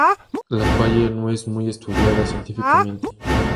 La falla no es muy estudiada científicamente.